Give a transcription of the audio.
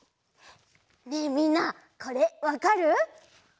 ねえみんなこれわかる？